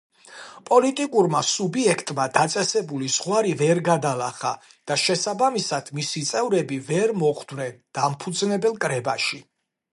პოლიტიკურმა სუბიექტმა დაწესებული ზღვარი ვერ გადალახა და შესაბამისად მისი წევრები ვერ მოხვდნენ დამფუძნებელ კრებაში.